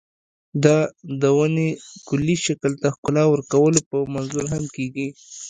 دا د ونې کلي شکل ته ښکلا ورکولو په منظور هم کېږي.